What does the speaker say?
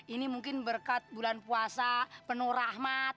ini mungkin berkat bulan puasa penuh rahmat